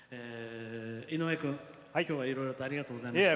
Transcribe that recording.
井上君、今日はいろいろとありがとうございました。